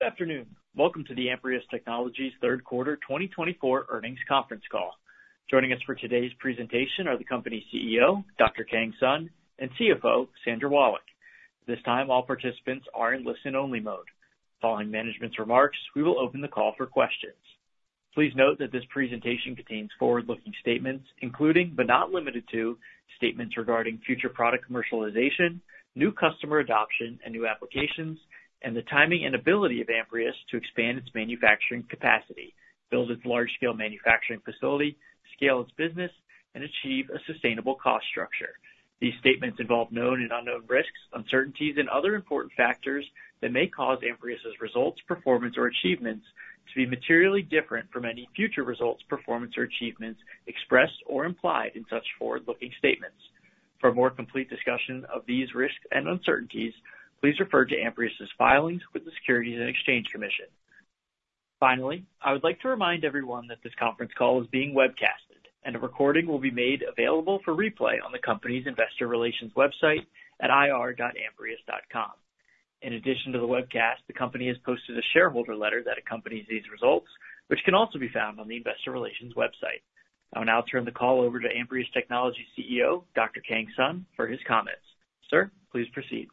Good afternoon. Welcome to the Amprius Technologies Third Quarter 2024 Earnings Conference Call. Joining us for today's presentation are the company CEO, Dr. Kang Sun, and CFO, Sandra Wallach. This time, all participants are in listen-only mode. Following management's remarks, we will open the call for questions. Please note that this presentation contains forward-looking statements, including but not limited to statements regarding future product commercialization, new customer adoption and new applications, and the timing and ability of Amprius to expand its manufacturing capacity, build its large-scale manufacturing facility, scale its business, and achieve a sustainable cost structure. These statements involve known and unknown risks, uncertainties, and other important factors that may cause Amprius's results, performance, or achievements to be materially different from any future results, performance, or achievements expressed or implied in such forward-looking statements. For a more complete discussion of these risks and uncertainties, please refer to Amprius's filings with the Securities and Exchange Commission. Finally, I would like to remind everyone that this conference call is being webcasted, and a recording will be made available for replay on the company's investor relations website at ir.amprius.com. In addition to the webcast, the company has posted a shareholder letter that accompanies these results, which can also be found on the investor relations website. I will now turn the call over to Amprius Technologies CEO, Dr. Kang Sun, for his comments. Sir, please proceed.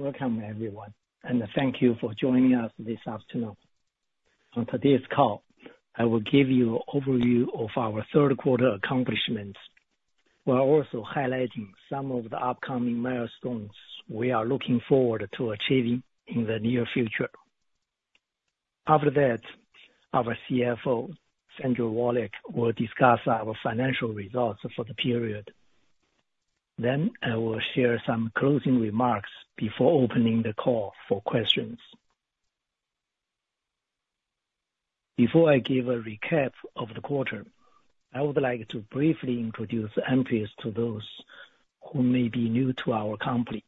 Welcome, everyone, and thank you for joining us this afternoon. On today's call, I will give you an overview of our third quarter accomplishments. We are also highlighting some of the upcoming milestones we are looking forward to achieving in the near future. After that, our CFO, Sandra Wallach, will discuss our financial results for the period. Then, I will share some closing remarks before opening the call for questions. Before I give a recap of the quarter, I would like to briefly introduce Amprius to those who may be new to our company.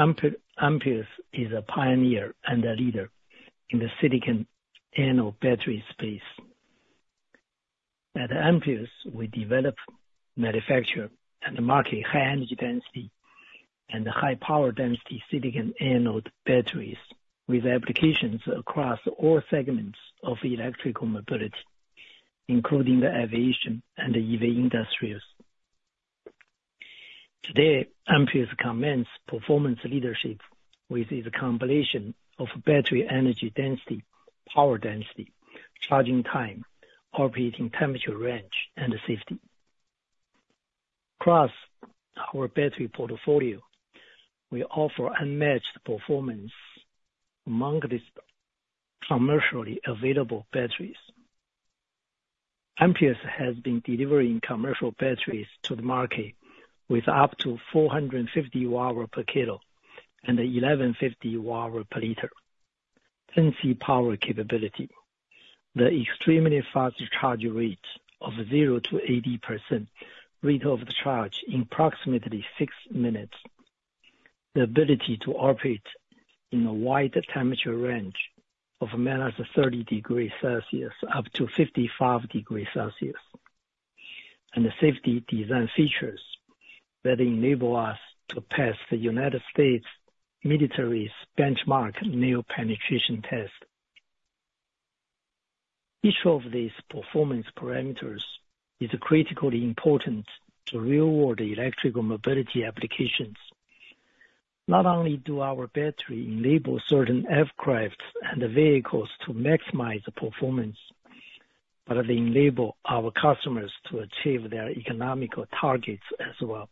Amprius is a pioneer and a leader in the silicon anode battery space. At Amprius, we develop, manufacture, and market high-energy density and high-power density silicon anode batteries with applications across all segments of electrical mobility, including the aviation and the EV industries. Today, Amprius commands performance leadership with its combination of battery energy density, power density, charging time, operating temperature range, and safety. Across our battery portfolio, we offer unmatched performance among the commercially available batteries. Amprius has been delivering commercial batteries to the market with up to 450 Wh per kilo and 1,150 Wh per liter, 10C power capability, the extremely fast charge rate of 0%-80%, rate of charge in approximately six minutes, the ability to operate in a wide temperature range of minus 30 degrees Celsius up to 55 degrees Celsius, and the safety design features that enable us to pass the United States military's benchmark nail penetration test. Each of these performance parameters is critically important to real-world electrical mobility applications. Not only do our battery enable certain aircraft and vehicles to maximize performance, but they enable our customers to achieve their economical targets as well.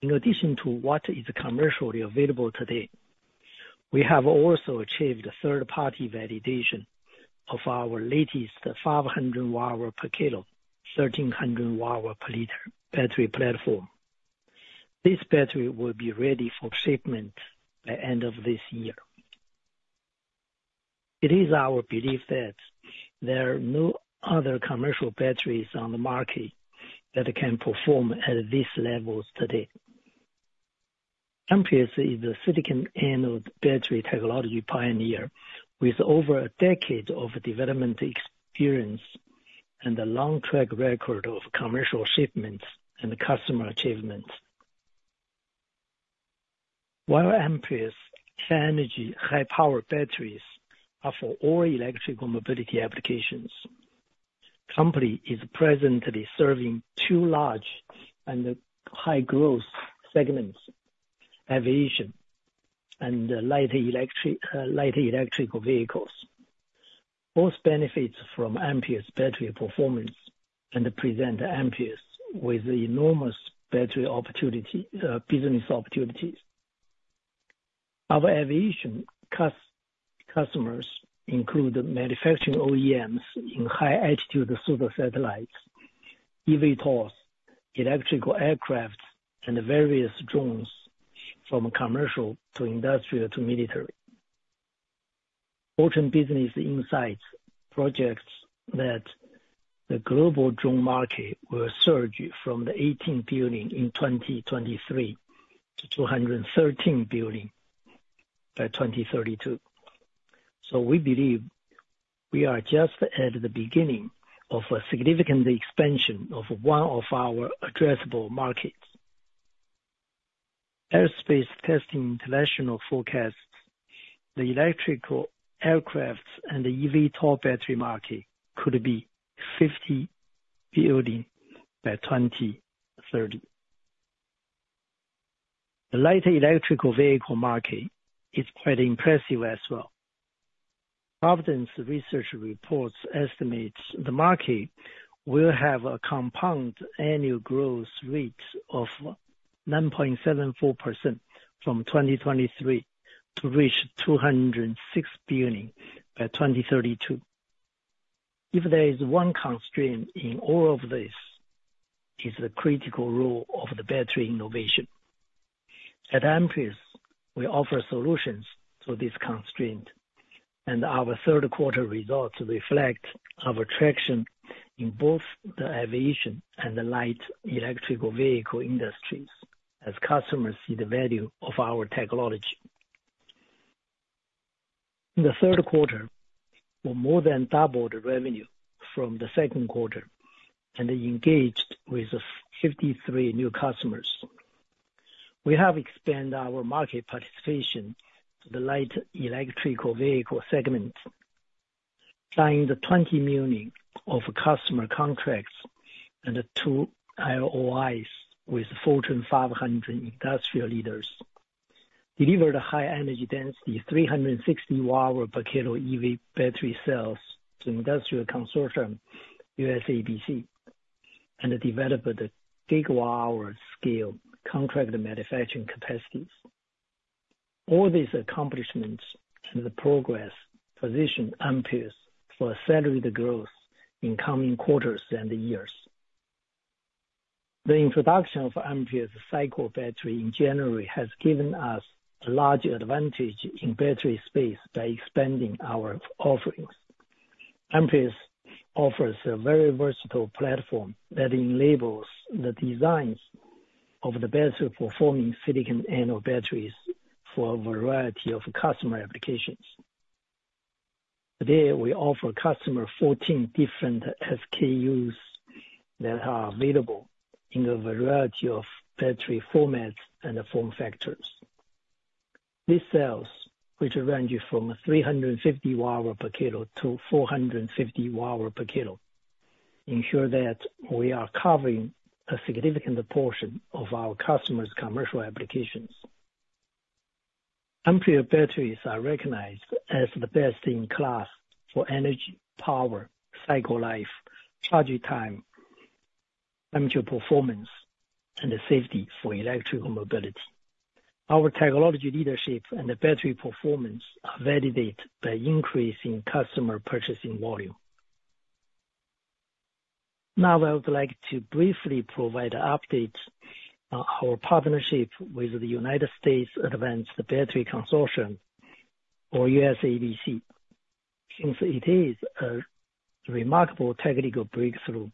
In addition to what is commercially available today, we have also achieved third-party validation of our latest 500 Wh per kilo, 1,300 Wh per liter battery platform. This battery will be ready for shipment by the end of this year. It is our belief that there are no other commercial batteries on the market that can perform at these levels today. Amprius is a silicon anode battery technology pioneer with over a decade of development experience and a long track record of commercial shipments and customer achievements. While Amprius high-energy high-power batteries are for all electrical mobility applications, the company is presently serving two large and high-growth segments: aviation and light electrical vehicles. Both benefit from Amprius battery performance and present Amprius with enormous business opportunities. Our aviation customers include manufacturing OEMs in high-altitude pseudo satellites, eVTOLs, electrical aircraft, and various drones from commercial to industrial to military. Fortune Business Insights projects that the global drone market will surge from $18 billion in 2023 to $213 billion by 2032, so we believe we are just at the beginning of a significant expansion of one of our addressable markets. Aerospace Testing International forecasts the electrical aircraft and the eVTOL battery market could be $50 billion by 2030. The light electric vehicle market is quite impressive as well. Precedence Research estimates the market will have a compound annual growth rate of 9.74% from 2023 to reach $206 billion by 2032. If there is one constraint in all of this, it is the critical role of the battery innovation. At Amprius, we offer solutions to this constraint, and our third quarter results reflect our traction in both the aviation and the light electric vehicle industries as customers see the value of our technology. In the third quarter, we more than doubled revenue from the second quarter and engaged with 53 new customers. We have expanded our market participation to the light electric vehicle segment, signed $20 million of customer contracts and two LOIs with Fortune 500 industrial leaders, delivered a high-energy density 360 Wh per kilo EV battery cells to industrial consortium USABC, and developed gigawatt-hour scale contract manufacturing capacities. All these accomplishments and the progress position Amprius for accelerated growth in coming quarters and years. The introduction of Amprius SiCore Battery in January has given us a large advantage in battery space by expanding our offerings. Amprius offers a very versatile platform that enables the designs of the best-performing silicon anode batteries for a variety of customer applications. Today, we offer customers 14 different SKUs that are available in a variety of battery formats and form factors. These cells, which range from 350 Wh per kilo-450 Wh per kilo, ensure that we are covering a significant portion of our customers' commercial applications. Amprius batteries are recognized as the best in class for energy power, cycle life, charging time, temperature performance, and safety for electrical mobility. Our technology leadership and battery performance are validated by increasing customer purchasing volume. Now, I would like to briefly provide an update on our partnership with the United States Advanced Battery Consortium, or USABC, since it is a remarkable technical breakthrough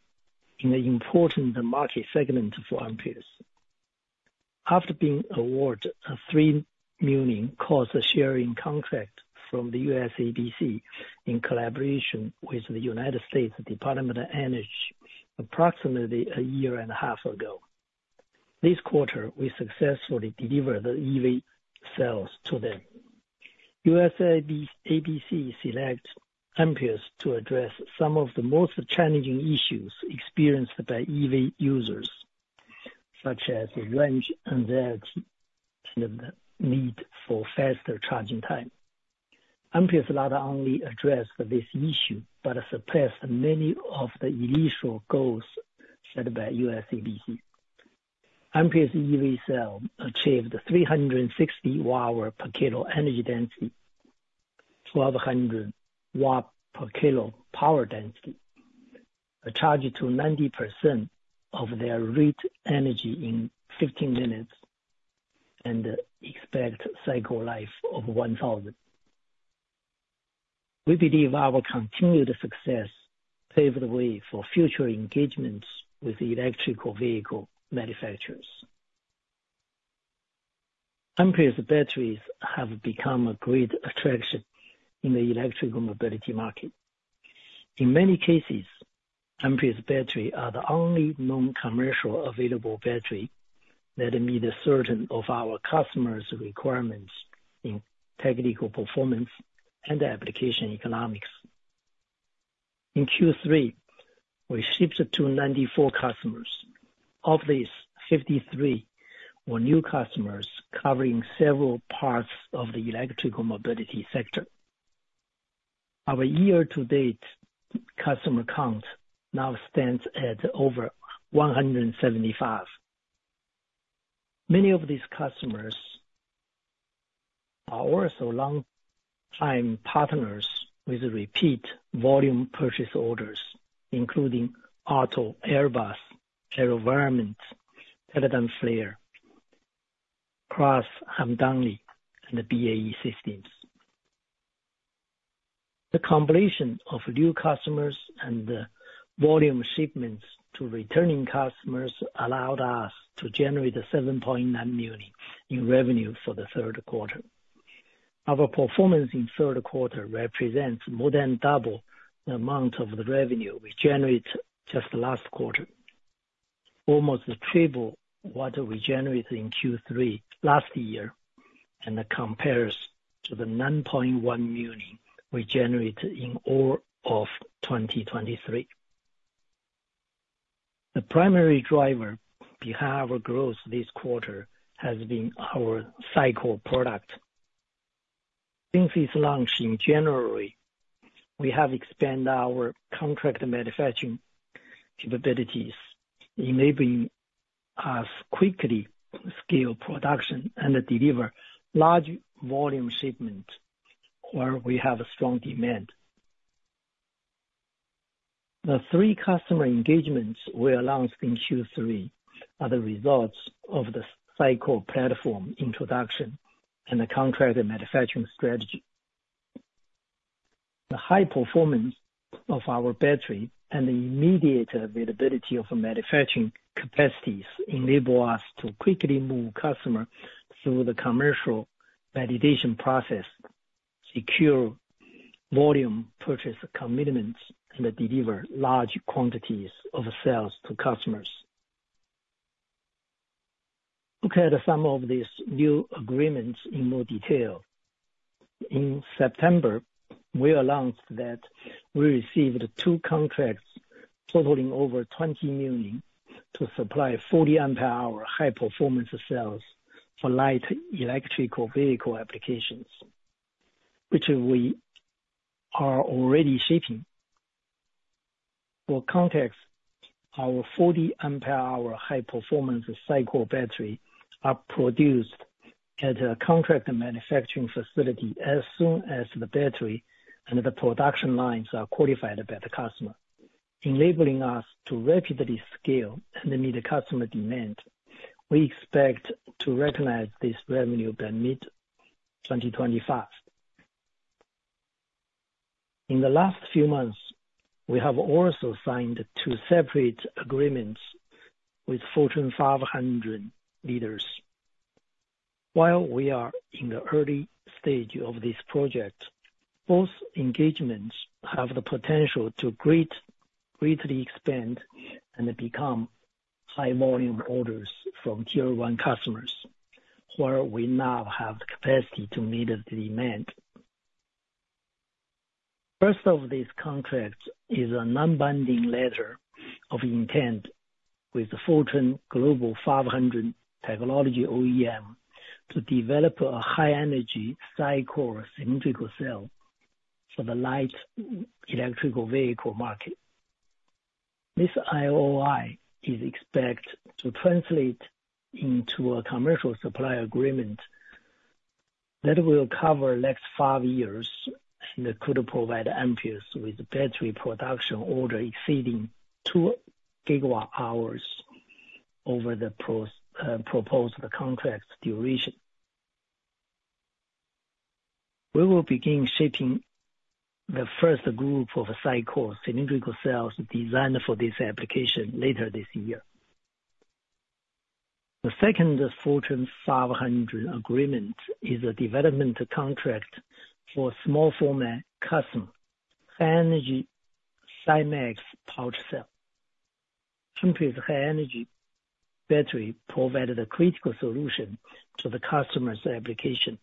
in an important market segment for Amprius. After being awarded a $3 million cost-sharing contract from the USABC in collaboration with the United States Department of Energy approximately a year and a half ago, this quarter, we successfully delivered the EV cells to them. USABC selected Amprius to address some of the most challenging issues experienced by EV users, such as range uncertainty and the need for faster charging time. Amprius not only addressed this issue but surpassed many of the initial goals set by USABC. Amprius EV cell achieved 360 Wh per kilo energy density, 1,200 Wh per kilo power density, a charge to 90% of their rate energy in 15 minutes, and expected cycle life of 1,000. We believe our continued success paved the way for future engagements with electrical vehicle manufacturers. Amprius batteries have become a great attraction in the electrical mobility market. In many cases, Amprius batteries are the only known commercial available battery that meet certain of our customers' requirements in technical performance and application economics. In Q3, we shipped to 94 customers. Of these, 53 were new customers covering several parts of the electrical mobility sector. Our year-to-date customer count now stands at over 175. Many of these customers are also long-time partners with repeat volume purchase orders, including Aalto HAPS, Airbus, AeroVironment, Teledyne FLIR, Kraus Hamdani Aerospace, and BAE Systems. The combination of new customers and volume shipments to returning customers allowed us to generate $7.9 million in revenue for the third quarter. Our performance in the third quarter represents more than double the amount of the revenue we generated just last quarter, almost triple what we generated in Q3 last year and compares to the $9.1 million we generated in all of 2023. The primary driver behind our growth this quarter has been our SiCore product. Since its launch in January, we have expanded our contract manufacturing capabilities, enabling us to quickly scale production and deliver large volume shipments where we have strong demand. The three customer engagements we announced in Q3 are the results of the SiCore platform introduction and the contract manufacturing strategy. The high performance of our battery and the immediate availability of manufacturing capacities enable us to quickly move customers through the commercial validation process, secure volume purchase commitments, and deliver large quantities of cells to customers. Look at some of these new agreements in more detail. In September, we announced that we received two contracts totaling over $20 million to supply 40 Ah high-performance cells for light electrical vehicle applications, which we are already shipping. For context, our 40 Ah high-performance SiCore battery is produced at a contract manufacturing facility as soon as the battery and the production lines are qualified by the customer, enabling us to rapidly scale and meet customer demand. We expect to recognize this revenue by mid-2025. In the last few months, we have also signed two separate agreements with Fortune 500 leaders. While we are in the early stage of this project, both engagements have the potential to greatly expand and become high-volume orders from tier-one customers where we now have the capacity to meet the demand. First of these contracts is a non-binding letter of intent with Fortune Global 500 Technology OEM to develop a high-energy SiCore cylindrical cell for the light electrical vehicle market. This LOI is expected to translate into a commercial supply agreement that will cover the next five years and could provide Amprius with battery production orders exceeding two gigawatt-hours over the proposed contract duration. We will begin shipping the first group of SiCore cylindrical cells designed for this application later this year. The second Fortune 500 agreement is a development contract for a small-format, high-energy SiMaxx power cell. Amprius high-energy battery provided a critical solution to the customer's application.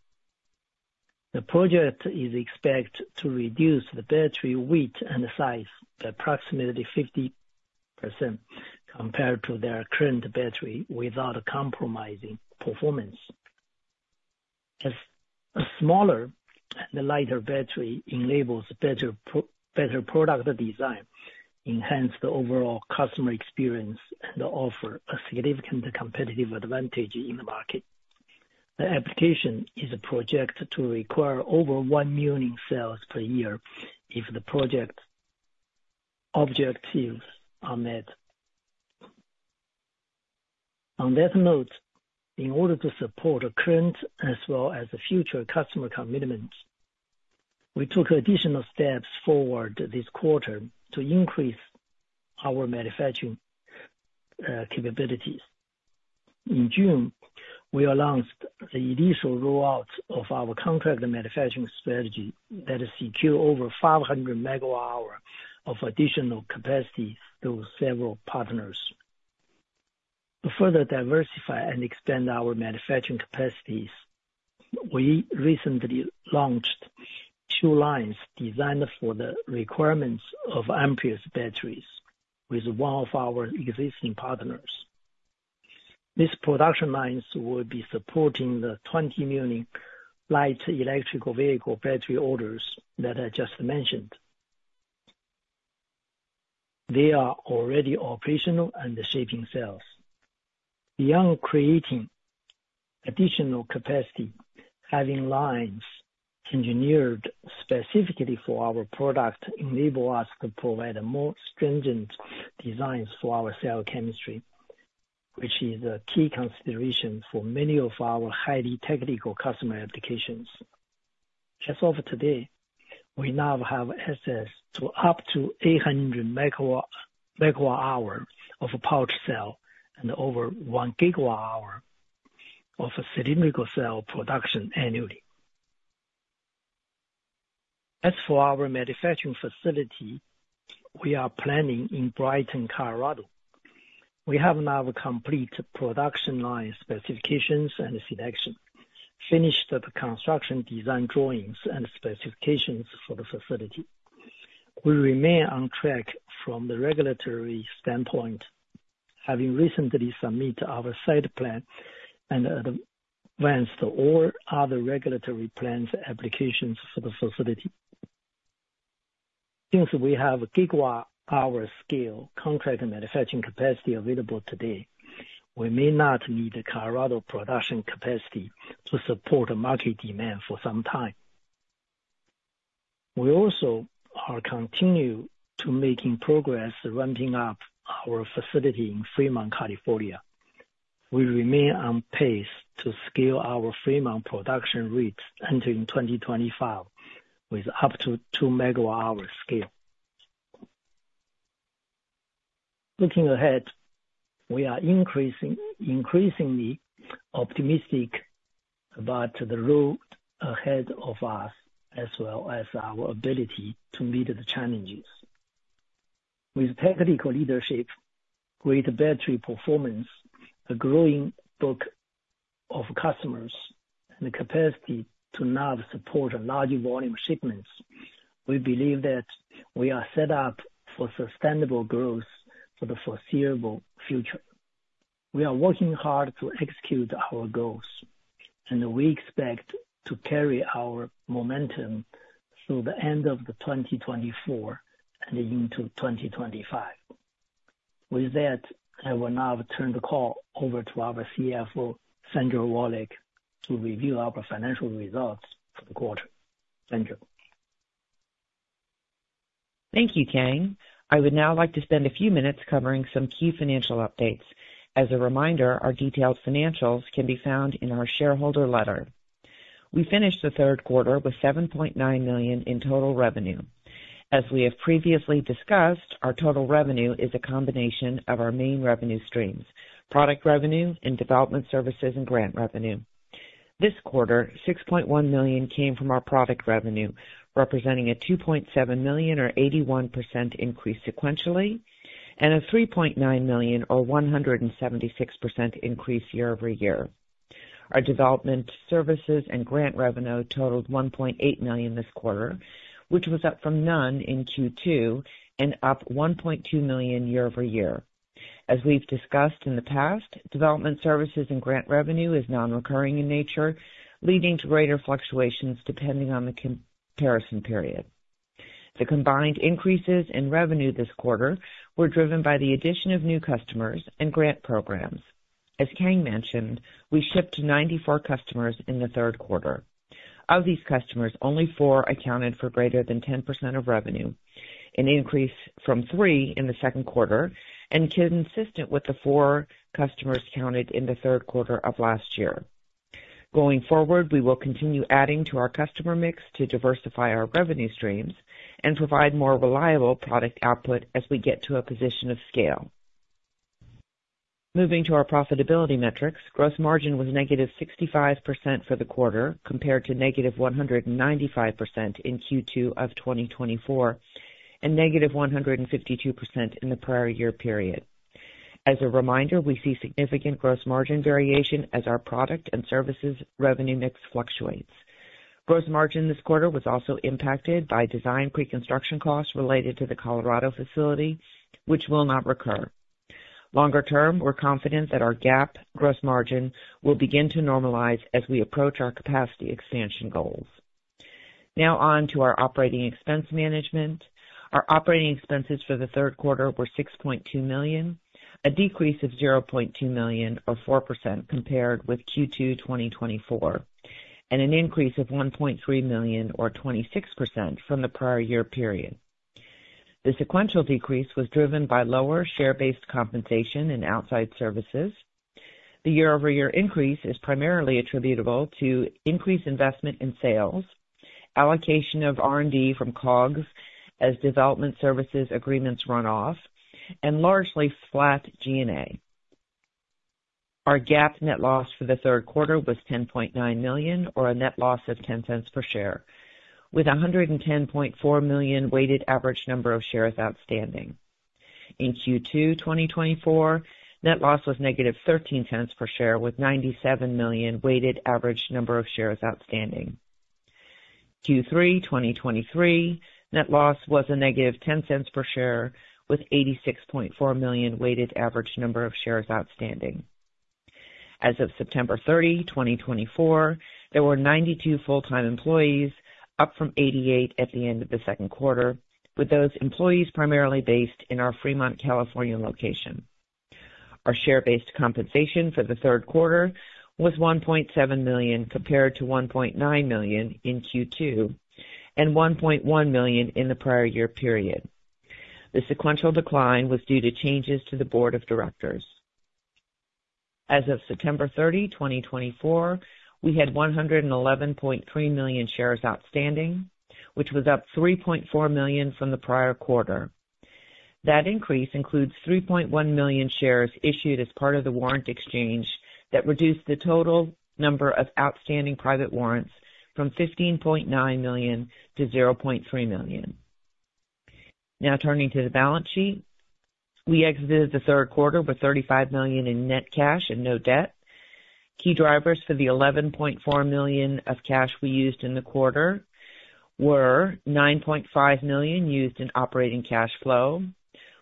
The project is expected to reduce the battery weight and size by approximately 50% compared to their current battery without compromising performance. A smaller and lighter battery enables better product design, enhancing the overall customer experience and offering a significant competitive advantage in the market. The application is projected to require over 1 million cells per year if the project objectives are met. On that note, in order to support current as well as future customer commitments, we took additional steps forward this quarter to increase our manufacturing capabilities. In June, we announced the initial rollout of our contract manufacturing strategy that secured over 500 MWh of additional capacity through several partners. To further diversify and expand our manufacturing capacities, we recently launched two lines designed for the requirements of Amprius batteries with one of our existing partners. These production lines will be supporting the 20 million light electrical vehicle battery orders that I just mentioned. They are already operational and shipping cells. Beyond creating additional capacity, having lines engineered specifically for our product enables us to provide more stringent designs for our cell chemistry, which is a key consideration for many of our highly technical customer applications. As of today, we now have access to up to 800 MWh of pouch cell and over one gigawatt-hour of cylindrical cell production annually. As for our manufacturing facility, we are planning in Brighton, Colorado. We have now completed production line specifications and selection, finished the construction design drawings and specifications for the facility. We remain on track from the regulatory standpoint, having recently submitted our site plan and advanced all other regulatory plans applications for the facility. Since we have gigawatt-hour scale contract manufacturing capacity available today, we may not need Colorado production capacity to support market demand for some time. We also are continuing to make progress ramping up our facility in Fremont, California. We remain on pace to scale our Fremont production rates entering 2025 with up to two megawatt-hour scale. Looking ahead, we are increasingly optimistic about the road ahead of us as well as our ability to meet the challenges. With technical leadership, great battery performance, a growing book of customers, and the capacity to now support large volume shipments, we believe that we are set up for sustainable growth for the foreseeable future. We are working hard to execute our goals, and we expect to carry our momentum through the end of 2024 and into 2025. With that, I will now turn the call over to our CFO, Sandra Wallach, to review our financial results for the quarter. Sandra. Thank you, Kang. I would now like to spend a few minutes covering some key financial updates. As a reminder, our detailed financials can be found in our shareholder letter. We finished the third quarter with $7.9 million in total revenue. As we have previously discussed, our total revenue is a combination of our main revenue streams: product revenue and development services and grant revenue. This quarter, $6.1 million came from our product revenue, representing a $2.7 million or 81% increase sequentially and a $3.9 million or 176% increase year-over-year. Our development services and grant revenue totaled $1.8 million this quarter, which was up from none in Q2 and up $1.2 million year over year. As we've discussed in the past, development services and grant revenue is non-recurring in nature, leading to greater fluctuations depending on the comparison period. The combined increases in revenue this quarter were driven by the addition of new customers and grant programs. As Kang mentioned, we shipped 94 customers in the third quarter. Of these customers, only four accounted for greater than 10% of revenue, an increase from three in the second quarter and consistent with the four customers counted in the third quarter of last year. Going forward, we will continue adding to our customer mix to diversify our revenue streams and provide more reliable product output as we get to a position of scale. Moving to our profitability metrics, gross margin was -65% for the quarter compared to -195% in Q2 of 2024 and -152% in the prior year period. As a reminder, we see significant gross margin variation as our product and services revenue mix fluctuates. Gross margin this quarter was also impacted by design pre-construction costs related to the Colorado facility, which will not recur. Longer term, we're confident that our GAAP gross margin will begin to normalize as we approach our capacity expansion goals. Now on to our operating expense management. Our operating expenses for the third quarter were $6.2 million, a decrease of $0.2 million or 4% compared with Q2 2024, and an increase of $1.3 million or 26% from the prior year period. The sequential decrease was driven by lower share-based compensation and outside services. The year-over-year increase is primarily attributable to increased investment in sales, allocation of R&D from COGS as development services agreements run off, and largely flat G&A. Our GAAP net loss for the third quarter was $10.9 million or a net loss of $0.10 per share, with 110.4 million weighted average number of shares outstanding. In Q2 2024, net loss was -$0.13 per share with 97 million weighted average number of shares outstanding. Q3 2023, net loss was a -$0.10 per share with 86.4 million weighted average number of shares outstanding. As of September 30, 2024, there were 92 full-time employees, up from 88 at the end of the second quarter, with those employees primarily based in our Fremont, California location. Our share-based compensation for the third quarter was $1.7 million compared to $1.9 million in Q2 and $1.1 million in the prior year period. The sequential decline was due to changes to the board of directors. As of September 30, 2024, we had 111.3 million shares outstanding, which was up 3.4 million from the prior quarter. That increase includes 3.1 million shares issued as part of the warrant exchange that reduced the total number of outstanding private warrants from 15.9 million to 0.3 million. Now turning to the balance sheet, we exited the third quarter with $35 million in net cash and no debt. Key drivers for the $11.4 million of cash we used in the quarter were $9.5 million used in operating cash flow.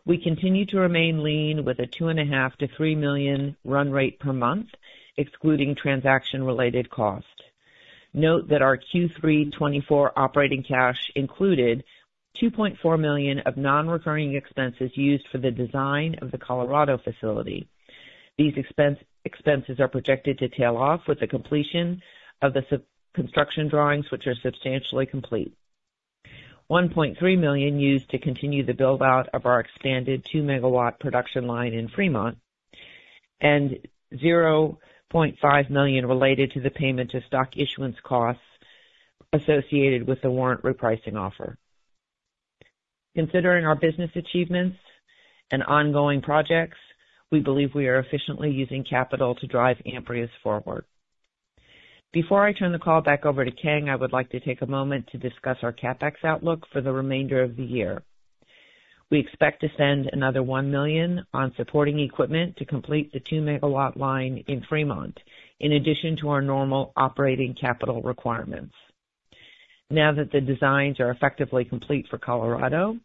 We continue to remain lean with a $2.5 million-$3 million run rate per month, excluding transaction-related cost. Note that our Q3 2024 operating cash included $2.4 million of non-recurring expenses used for the design of the Colorado facility. These expenses are projected to tail off with the completion of the construction drawings, which are substantially complete. $1.3 million used to continue the build-out of our expanded two megawatt production line in Fremont and $0.5 million related to the payment to stock issuance costs associated with the warrant repricing offer. Considering our business achievements and ongoing projects, we believe we are efficiently using capital to drive Amprius forward. Before I turn the call back over to Kang, I would like to take a moment to discuss our CapEx outlook for the remainder of the year. We expect to spend another $1 million on supporting equipment to complete the two megawatt line in Fremont, in addition to our normal operating capital requirements. Now that the designs are effectively complete for Colorado,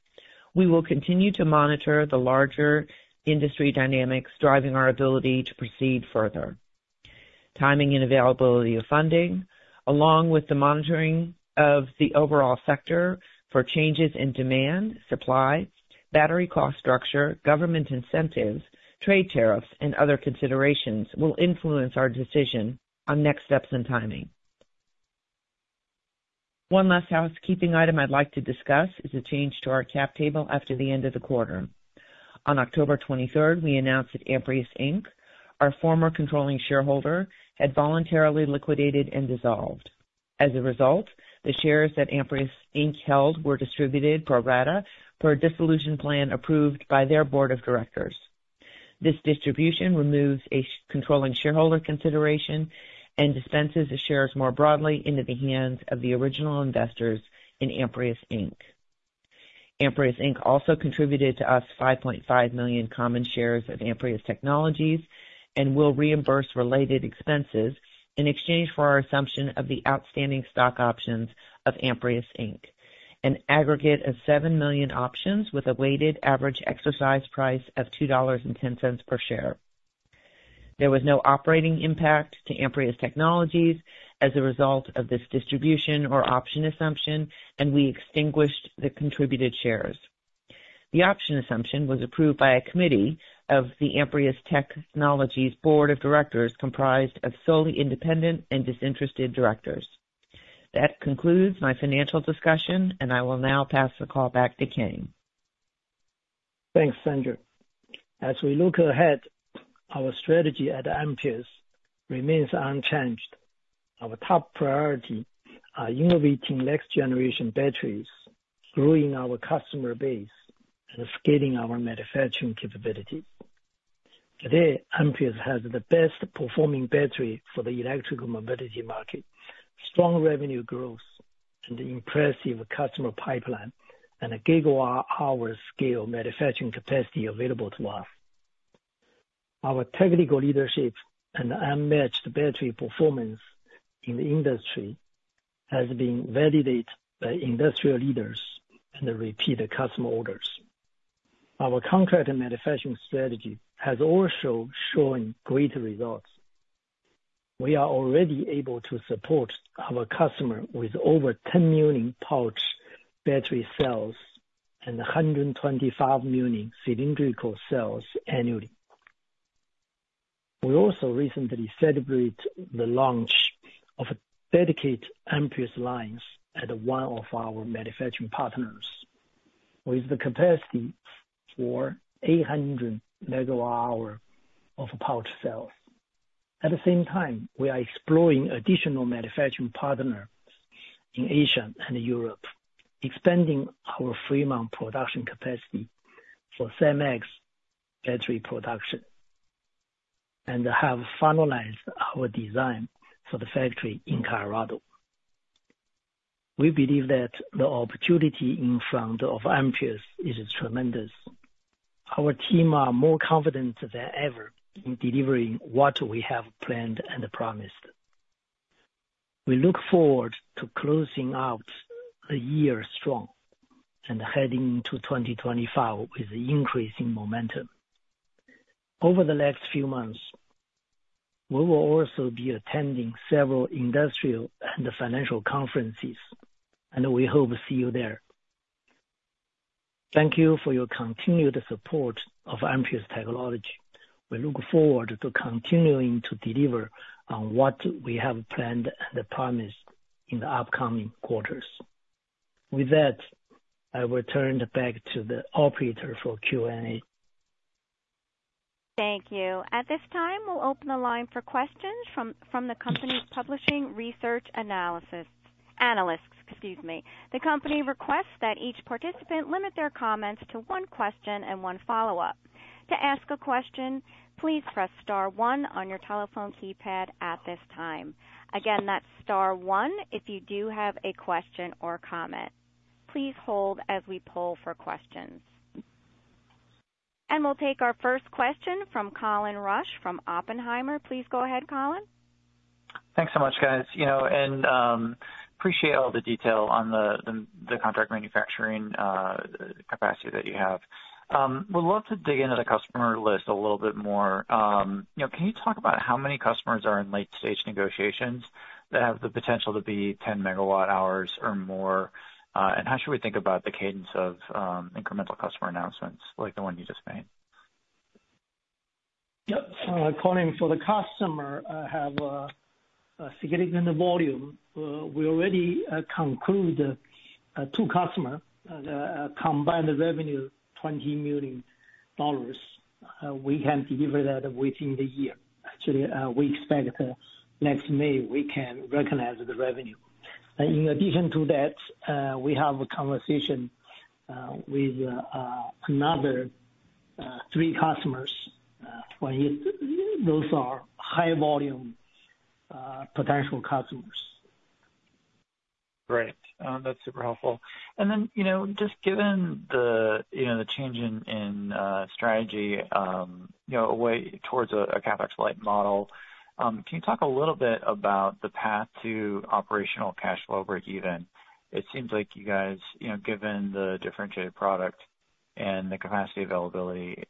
we will continue to monitor the larger industry dynamics driving our ability to proceed further. Timing and availability of funding, along with the monitoring of the overall sector for changes in demand, supply, battery cost structure, government incentives, trade tariffs, and other considerations, will influence our decision on next steps and timing. One last housekeeping item I'd like to discuss is a change to our cap table after the end of the quarter. On October 23rd, we announced that Amprius Inc., our former controlling shareholder, had voluntarily liquidated and dissolved. As a result, the shares that Amprius Inc. held were distributed pro rata per a dissolution plan approved by their board of directors. This distribution removes a controlling shareholder consideration and dispenses the shares more broadly into the hands of the original investors in Amprius Inc. also contributed to us 5.5 million common shares of Amprius Technologies and will reimburse related expenses in exchange for our assumption of the outstanding stock options of Amprius Inc., an aggregate of 7 million options with a weighted average exercise price of $2.10 per share. There was no operating impact to Amprius Technologies as a result of this distribution or option assumption, and we extinguished the contributed shares. The option assumption was approved by a committee of the Amprius Technologies board of directors comprised of solely independent and disinterested directors. That concludes my financial discussion, and I will now pass the call back to Kang. Thanks, Sandra. As we look ahead, our strategy at Amprius remains unchanged. Our top priorities are innovating next-generation batteries, growing our customer base, and scaling our manufacturing capabilities. Today, Amprius has the best-performing battery for the electrical mobility market, strong revenue growth, an impressive customer pipeline, and a Gigawatt-hour scale manufacturing capacity available to us. Our technical leadership and unmatched battery performance in the industry have been validated by industrial leaders and repeated customer orders. Our contract and manufacturing strategy has also shown great results. We are already able to support our customers with over 10 million pouch battery cells and 125 million cylindrical cells annually. We also recently celebrated the launch of a dedicated Amprius line at one of our manufacturing partners, with the capacity for 800 MWh of pouch cells. At the same time, we are exploring additional manufacturing partners in Asia and Europe, expanding our Fremont production capacity for SiMaxx battery production and have finalized our design for the factory in Colorado. We believe that the opportunity in front of Amprius is tremendous. Our team is more confident than ever in delivering what we have planned and promised. We look forward to closing out the year strong and heading into 2025 with increasing momentum. Over the next few months, we will also be attending several industrial and financial conferences, and we hope to see you there. Thank you for your continued support of Amprius Technologies. We look forward to continuing to deliver on what we have planned and promised in the upcoming quarters. With that, I will turn back to the operator for Q&A. Thank you. At this time, we'll open the line for questions from the participating research analysts. Excuse me. The company requests that each participant limit their comments to one question and one follow-up. To ask a question, please press star one on your telephone keypad at this time. Again, that's star one if you do have a question or comment. Please hold as we pull for questions, and we'll take our first question from Colin Rusch from Oppenheimer. Please go ahead, Colin. Thanks so much, guys, and appreciate all the detail on the contract manufacturing capacity that you have. We'd love to dig into the customer list a little bit more. Can you talk about how many customers are in late-stage negotiations that have the potential to be 10 MWh or more? And how should we think about the cadence of incremental customer announcements like the one you just made? Yep. Colin, for the customer, I have a significant volume. We already concluded two customers. Combined revenue, $20 million. We can deliver that within the year. Actually, we expect next May we can recognize the revenue. In addition to that, we have a conversation with another three customers. Those are high-volume potential customers. Great. That's super helpful. And then just given the change in strategy away towards a CapEx-like model, can you talk a little bit about the path to operational cash flow break-even? It seems like you guys, given the differentiated product and the capacity availability,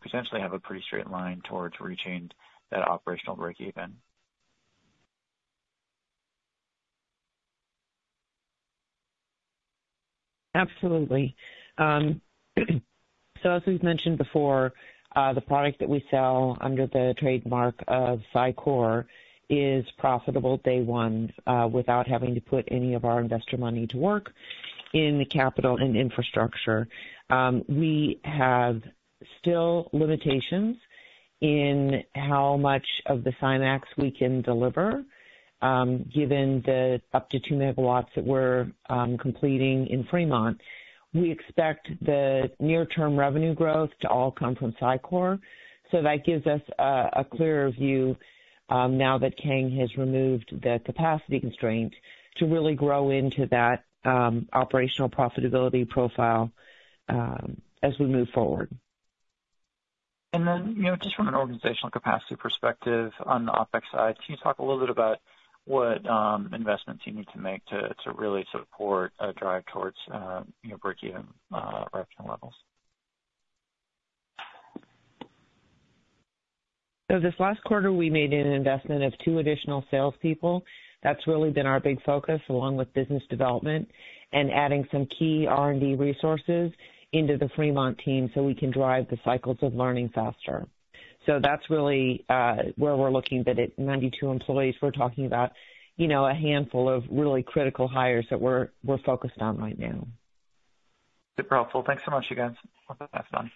potentially have a pretty straight line towards reaching that operational break-even. Absolutely. So, as we've mentioned before, the product that we sell under the trademark of SiCore is profitable day one without having to put any of our investor money to work in the capital and infrastructure. We have still limitations in how much of the SiMaxx we can deliver. Given the up to two megawatt-hours that we're completing in Fremont, we expect the near-term revenue growth to all come from SiCore. So that gives us a clearer view now that Kang has removed the capacity constraint to really grow into that operational profitability profile as we move forward. And then just from an organizational capacity perspective on the OpEx side, can you talk a little bit about what investments you need to make to really support a drive towards break-even revenue levels? So, this last quarter, we made an investment of two additional salespeople. That's really been our big focus, along with business development and adding some key R&D resources into the Fremont team so we can drive the cycles of learning faster. So that's really where we're looking at it. 92 employees. We're talking about a handful of really critical hires that we're focused on right now. Super helpful. Thanks so much, you guys. We'll put that as done.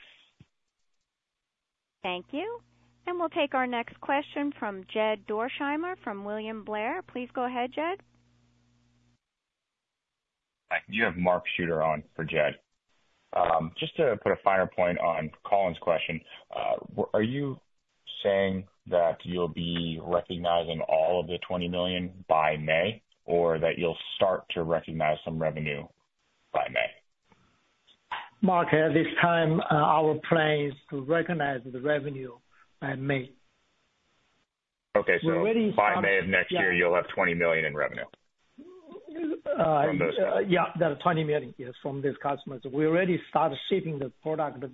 Thank you. We'll take our next question from Jed Dorsheimer from William Blair. Please go ahead, Jed. You have Mark Shooter on for Jed. Just to put a finer point on Colin's question, are you saying that you'll be recognizing all of the $20 million by May, or that you'll start to recognize some revenue by May? Mark, at this time, our plan is to recognize the revenue by May. Okay. So, by May of next year, you'll have $20 million in revenue from those customers? Yeah. The $20 million, yes, from these customers. We already started shipping the product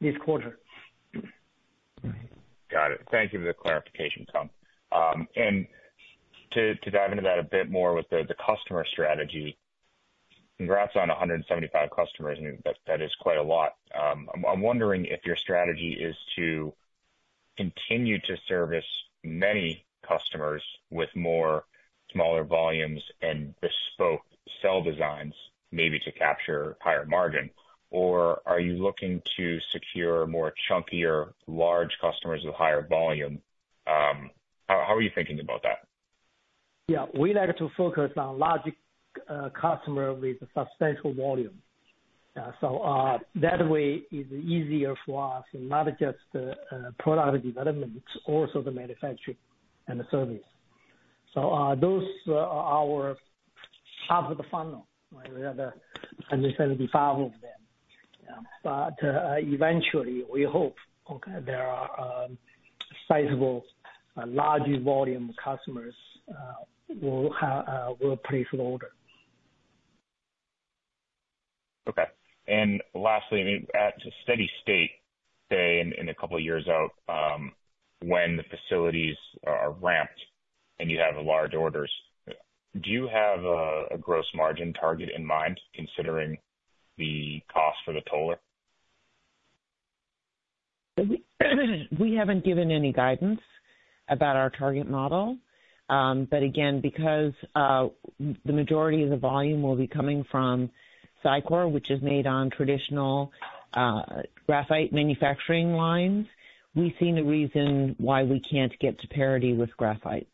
this quarter. Got it. Thank you for the clarification, Kang. To dive into that a bit more with the customer strategy, congrats on 175 customers. I mean, that is quite a lot. I'm wondering if your strategy is to continue to service many customers with more smaller volumes and bespoke cell designs, maybe to capture higher margin, or are you looking to secure more chunkier, large customers with higher volume? How are you thinking about that? Yeah. We like to focus on large customers with substantial volume. So, that way, it's easier for us, not just product development, also the manufacturing and the service. So, those are our top of the funnel. We have 175 of them. But eventually, we hope there are sizable, large volume customers who will place the order. Okay. And lastly, I mean, at a steady state in a couple of years out, when the facilities are ramped and you have large orders, do you have a gross margin target in mind, considering the cost for the toll? We haven't given any guidance about our target model. But again, because the majority of the volume will be coming from SiCore, which is made on traditional graphite manufacturing lines, we've seen a reason why we can't get to parity with graphite.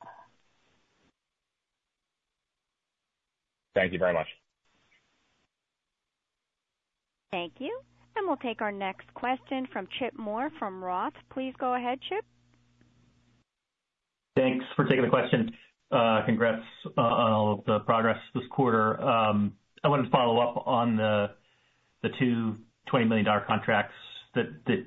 Thank you very much. Thank you. And we'll take our next question from Chip Moore from Roth. Please go ahead, Chip. Thanks for taking the question. Congrats on all of the progress this quarter. I wanted to follow up on the two $20 million contracts that it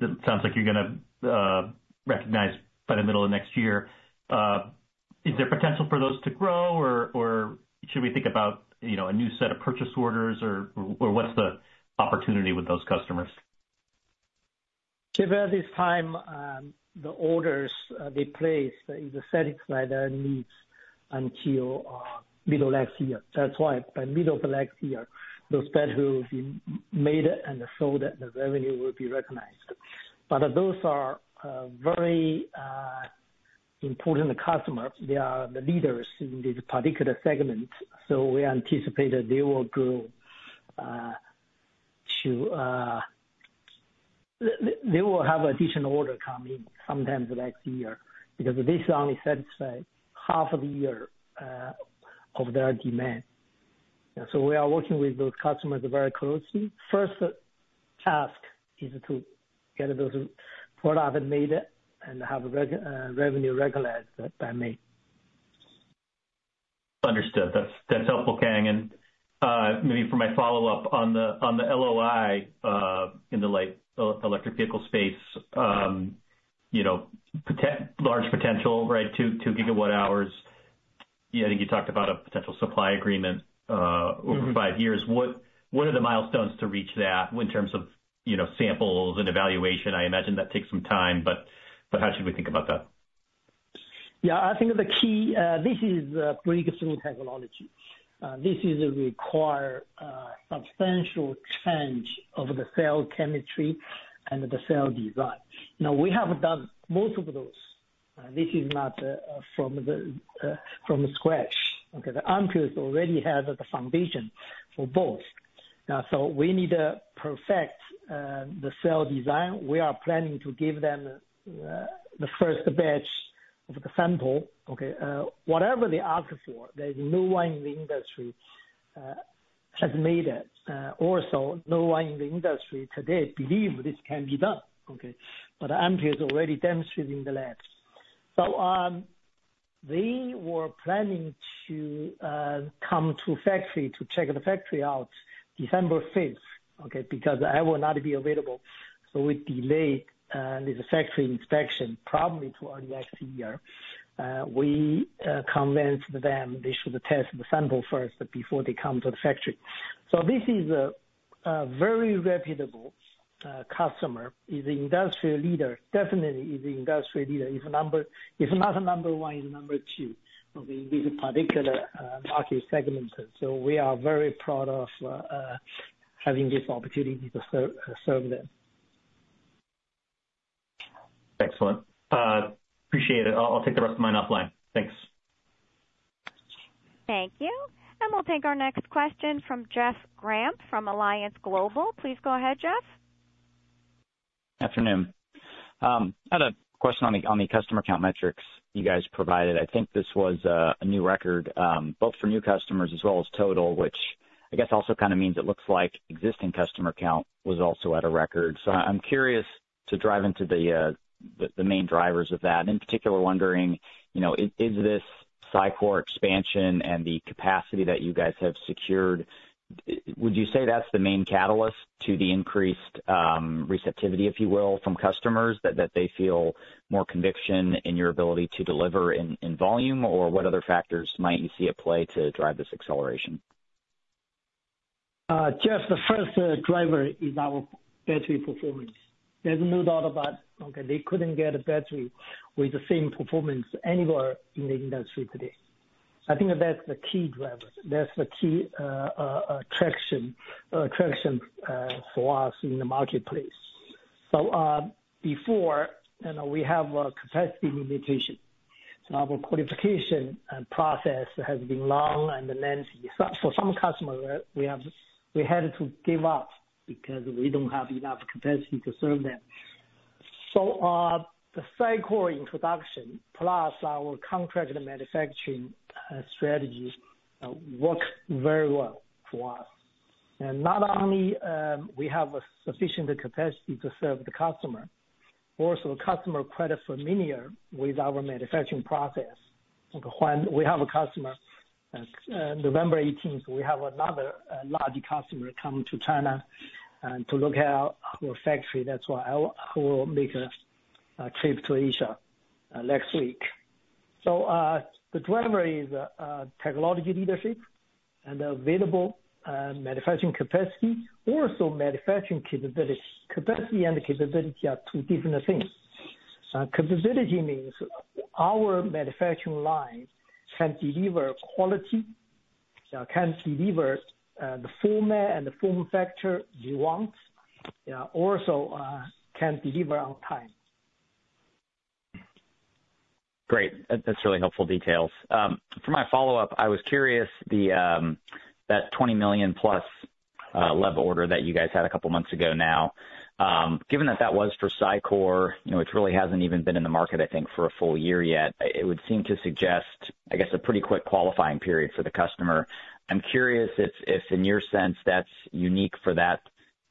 sounds like you're going to recognize by the middle of next year. Is there potential for those to grow, or should we think about a new set of purchase orders, or what's the opportunity with those customers? Chip, at this time, the orders they place are satisfying their needs until middle of next year. That's why by middle of next year, those batteries will be made and sold, and the revenue will be recognized. But those are very important customers. They are the leaders in this particular segment. So, we anticipate that they will have additional orders come in sometime next year because this only satisfies half of the year of their demand. So, we are working with those customers very closely. First task is to get those products made and have revenue recognized by May. Understood. That's helpful, Kang. And maybe for my follow-up on the LOI in the light electric vehicle space, large potential, right, two gigawatt-hours. I think you talked about a potential supply agreement over five years. What are the milestones to reach that in terms of samples and evaluation? I imagine that takes some time, but how should we think about that? Yeah. I think the key this is a pretty good technology. This is a required substantial change of the cell chemistry and the cell design. Now, we have done most of those. This is not from scratch. Okay. Amprius already has the foundation for both. So, we need to perfect the cell design. We are planning to give them the first batch of the sample. Okay. Whatever they ask for, there's no one in the industry has made it. Also, no one in the industry today believes this can be done. Okay. But Amprius already demonstrated in the lab. So, they were planning to come to the factory to check the factory out December 5th, okay, because I will not be available. So, we delayed this factory inspection probably to early next year. We convinced them they should test the sample first before they come to the factory. This is a very reputable customer. He's an industrial leader. Definitely, he's an industrial leader. If not a number one, he's a number two in this particular market segment. So, we are very proud of having this opportunity to serve them. Excellent. Appreciate it. I'll take the rest of mine offline. Thanks. Thank you. And we'll take our next question from Jeff Grampp from Alliance Global. Please go ahead, Jeff. Good afternoon. I had a question on the customer account metrics you guys provided. I think this was a new record, both for new customers as well as total, which I guess also kind of means it looks like existing customer account was also at a record. So, I'm curious to dive into the main drivers of that. And in particular, wondering, is this SiCore expansion and the capacity that you guys have secured, would you say that's the main catalyst to the increased receptivity, if you will, from customers, that they feel more conviction in your ability to deliver in volume, or what other factors might you see at play to drive this acceleration? Jeff, the first driver is our battery performance. There's no doubt about it. Okay. They couldn't get a battery with the same performance anywhere in the industry today. I think that's the key driver. That's the key attraction for us in the marketplace. So, before, we have a capacity limitation. So, our qualification process has been long and lengthy. For some customers, we had to give up because we don't have enough capacity to serve them. So, the SiCore introduction plus our contract manufacturing strategy worked very well for us. And not only do we have sufficient capacity to serve the customer. Also, the customer is quite familiar with our manufacturing process. We have a customer on November 18th. We have another large customer come to China to look at our factory. That's why we'll make a trip to Asia next week. So, the driver is technology leadership and available manufacturing capacity, also manufacturing capability. Capacity and capability are two different things. Capability means our manufacturing line can deliver quality, can deliver the format and the form factor we want, also can deliver on time. Great. That's really helpful details. For my follow-up, I was curious about that $20 million-plus level order that you guys had a couple of months ago now. Given that that was for SiCore, which really hasn't even been in the market, I think, for a full year yet, it would seem to suggest, I guess, a pretty quick qualifying period for the customer. I'm curious if, in your sense, that's unique for that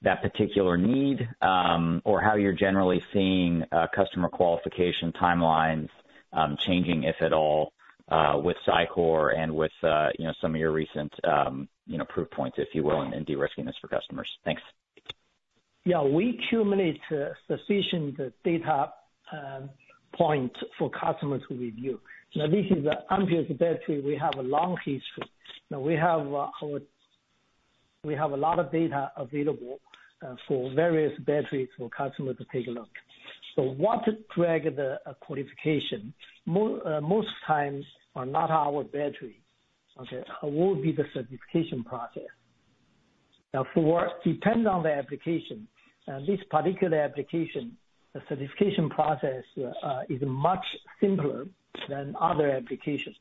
particular need or how you're generally seeing customer qualification timelines changing, if at all, with SiCore and with some of your recent proof points, if you will, and derisking this for customers. Thanks. Yeah. We accumulate sufficient data points for customers to review. Now, this is the Amprius battery. We have a long history. Now, we have a lot of data available for various batteries for customers to take a look. So, what drags the qualification? Most times, not our battery. Okay. What would be the certification process? Now, for what? Depends on the application. This particular application, the certification process is much simpler than other applications.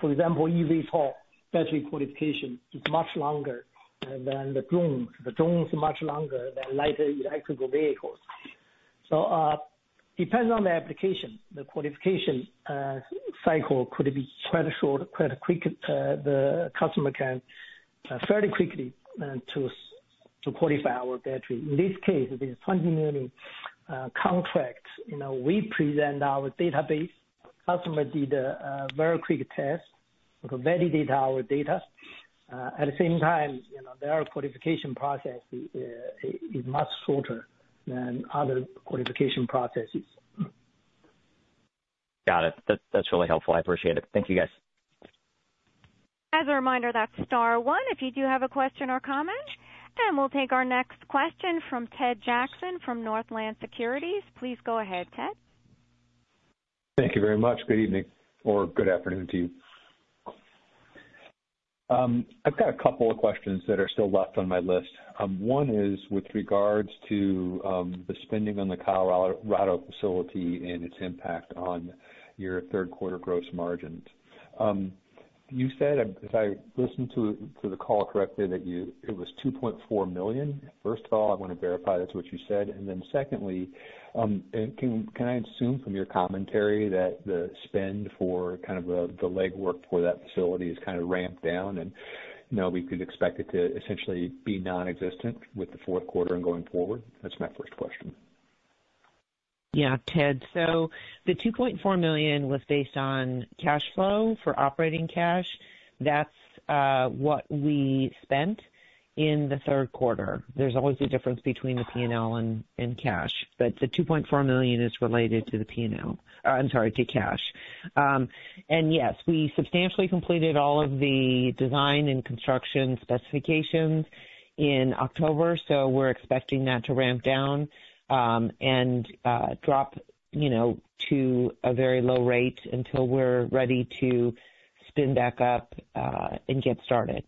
For example, eVTOL battery qualification is much longer than the drones. The drones are much longer than light electric vehicles. So, depending on the application, the qualification cycle could be quite short, quite quick. The customer can fairly quickly choose to qualify our battery. In this case, there's $20 million contracts. We present our database. Customer did a very quick test, validated our data. At the same time, their qualification process is much shorter than other qualification processes. Got it. That's really helpful. I appreciate it. Thank you, guys. As a reminder, that's star one if you do have a question or comment. And we'll take our next question from Ted Jackson from Northland Securities. Please go ahead, Ted. Thank you very much. Good evening or good afternoon to you. I've got a couple of questions that are still left on my list. One is with regards to the spending on the Colorado facility and its impact on your third-quarter gross margins. You said, if I listen to the call correctly, that it was $2.4 million. First of all, I want to verify that's what you said. And then secondly, can I assume from your commentary that the spend for kind of the legwork for that facility has kind of ramped down and now we could expect it to essentially be nonexistent with the fourth quarter and going forward? That's my first question. Yeah, Ted. So, the $2.4 million was based on cash flow for operating cash. That's what we spent in the third quarter. There's always a difference between the P&L and cash. But the $2.4 million is related to the P&L. I'm sorry, to cash. Yes, we substantially completed all of the design and construction specifications in October. We're expecting that to ramp down and drop to a very low rate until we're ready to spin back up and get started.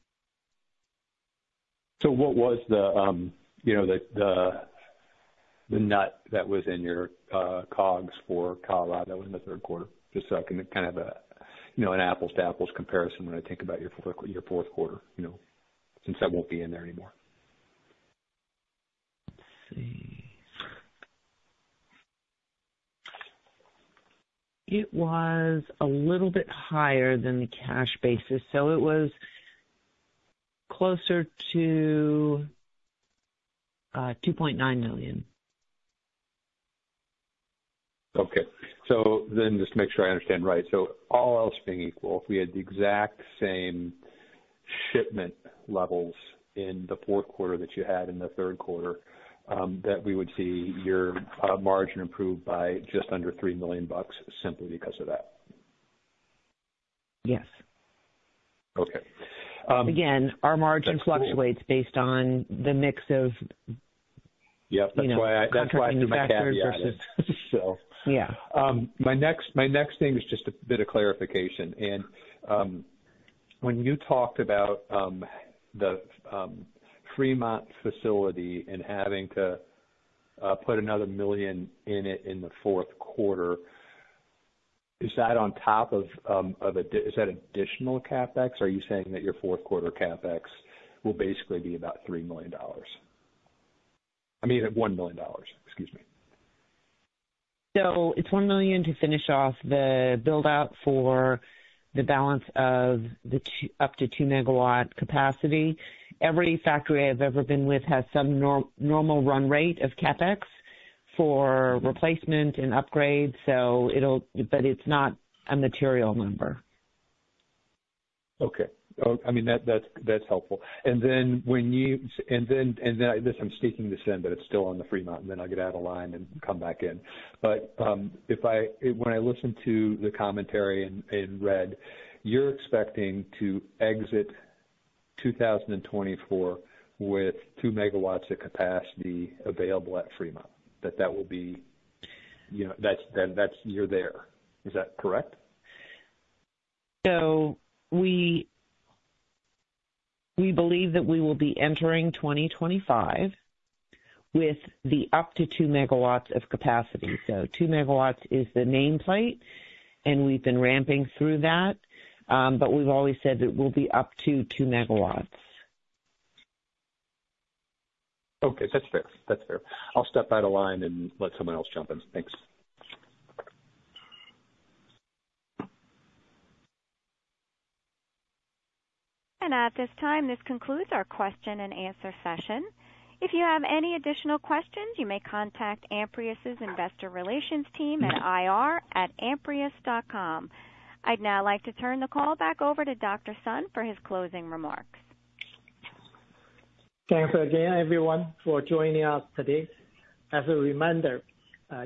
What was the net that was in your COGS for Colorado in the third quarter? Just so I can kind of have an apples-to-apples comparison when I think about your fourth quarter, since I won't be in there anymore. Let's see. It was a little bit higher than the cash basis. It was closer to $2.9 million. Okay. Then just to make sure I understand right, all else being equal, if we had the exact same shipment levels in the fourth quarter that you had in the third quarter, we would see your margin improve by just under $3 million simply because of that? Yes. Okay. Again, our margin fluctuates based on the mix of. Yep. That's why I think the factors are so. Yeah. My next thing is just a bit of clarification. When you talked about the Fremont facility and having to put another $1 million in it in the fourth quarter, is that on top of? Is that additional CapEx? Are you saying that your fourth quarter CapEx will basically be about $3 million? I mean, $1 million. Excuse me. So, it's $1 million to finish off the build-out for the balance of the up to two megawatts capacity. Every factory I've ever been with has some normal run rate of CapEx for replacement and upgrade. So, but it's not a material number. Okay. I mean, that's helpful. And then, I guess I'm speaking this in, but it's still on the Fremont, and then I'll get out of line and come back in. But when I listened to the commentary and read, you're expecting to exit 2024 with two megawatts of capacity available at Fremont. That will be that you're there. Is that correct? We believe that we will be entering 2025 with up to two megawatts of capacity. So, 2 megawatts is the nameplate, and we've been ramping through that. But we've always said that we'll be up to two megawatts. Okay. That's fair. That's fair. I'll step out of line and let someone else jump in. Thanks. At this time, this concludes our question-and-answer session. If you have any additional questions, you may contact Amprius's investor relations team at ir@amprius.com. I'd now like to turn the call back over to Dr. Sun for his closing remarks. Thank you again, everyone, for joining us today. As a reminder,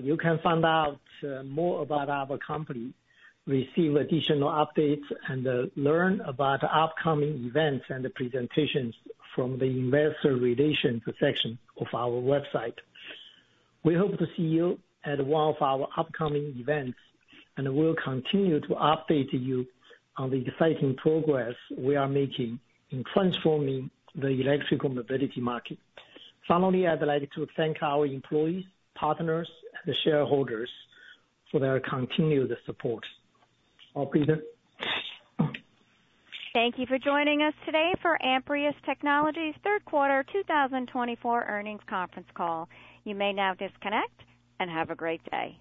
you can find out more about our company, receive additional updates, and learn about upcoming events and presentations from the investor relations section of our website. We hope to see you at one of our upcoming events, and we'll continue to update you on the exciting progress we are making in transforming the electrical mobility market. Finally, I'd like to thank our employees, partners, and shareholders for their continued support. I'll be there. Thank you for joining us today for Amprius Technologies' third quarter 2024 earnings conference call. You may now disconnect and have a great day.